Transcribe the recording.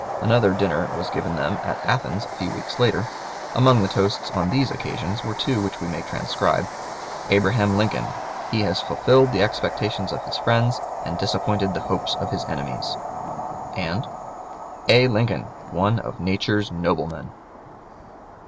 Another dinner was given them at Athens a few weeks later. Among the toasts on these occasions were two which we may transcribe: "Abraham Lincoln: He has fulfilled the expectations of his friends, and disappointed the hopes of his enemies"; and "A. Lincoln: One of Nature's noblemen."